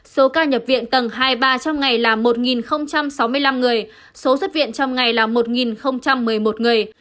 số ca nhập viện tầng hai mươi ba trong ngày là một sáu mươi năm người số xuất viện trong ngày là một một mươi một người